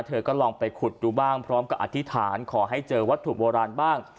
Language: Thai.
เธอก็ลองไปขุดดูบ้างพร้อมกับอธิษฐานขอให้เจอวัตถุโบราณบ้าง